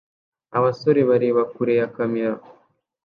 abasore bareba kure ya kamera